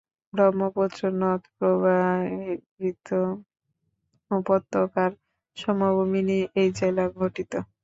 ব্রহ্মপুত্র নদ প্রবাহিত উপত্যকার সমভূমি নিয়ে এই জেলা গঠিত।